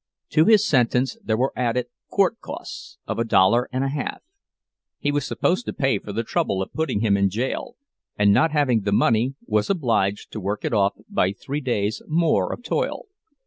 To his sentence there were added "court costs" of a dollar and a half—he was supposed to pay for the trouble of putting him in jail, and not having the money, was obliged to work it off by three days more of toil.